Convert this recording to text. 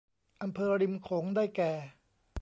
อำเภอริมโขงได้แก่